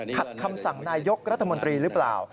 ขัดคำสั่งนายกรัฐมนตรีหรือเปล่า